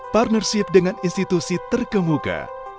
partnership dengan institusi terkemuka